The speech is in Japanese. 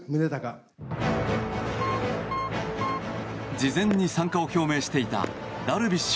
事前に参加を表明していたダルビッシュ